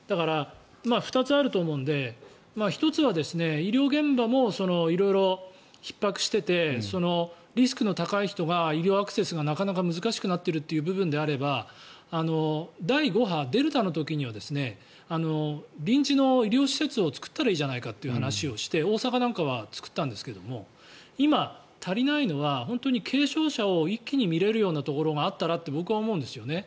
２つあると思うので１つは医療現場も色々ひっ迫しててリスクの高い人が医療アクセスがなかなか難しくなっているという部分であれば第５波、デルタの時には臨時の医療施設を作ったらいいじゃないかという話をして大阪なんかは作ったんですけども今、足りないのは本当に軽症者を一気に診れるようなところがあったらと僕は思うんですよね。